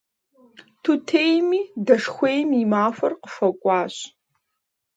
Тутейми дэшхуейм и махуэр къыхуэкӏуащ.